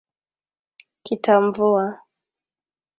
Kitamvua